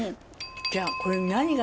じゃあこれに何が。